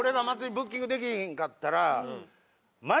ブッキングできひんかったら。